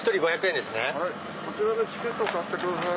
こちらでチケット買ってください。